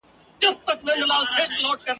نه د چا په لویو خونو کي غټیږو ..